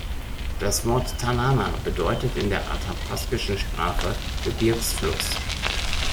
Das Wort "Tanana" bedeutet in der athapaskischen Sprache „Gebirgsfluss“.